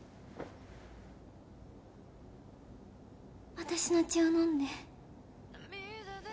私の血を飲んで。